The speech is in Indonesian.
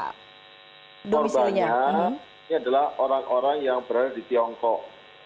korbannya ini adalah orang orang yang berada di tiongkok